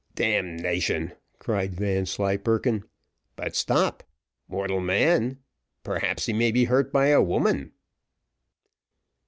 "Damnation!" cried Vanslyperken; "but stop mortal man perhaps he may be hurt by woman."